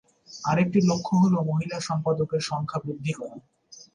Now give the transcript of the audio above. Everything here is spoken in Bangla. আরেকটি লক্ষ্য হল মহিলা সম্পাদকের সংখ্যা বৃদ্ধি করা।